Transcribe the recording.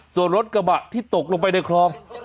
ส่วนรถกระบะที่ตกลงไปในคลอง